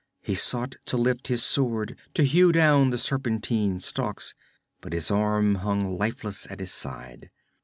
He sought to lift his sword, to hew down the serpentine stalks, but his arm hung lifeless at his side.